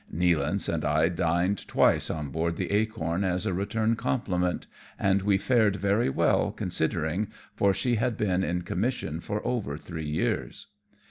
Nealance and I dined twice on board the Acorn as a return compliment^ and we fared very well considering, for she had been in commission for over three years.